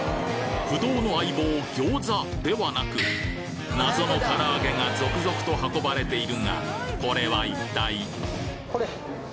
不動の相棒餃子ではなく謎のから揚げが続々と運ばれているがこれは一体！？